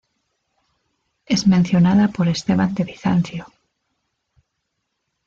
Es mencionada por Esteban de Bizancio.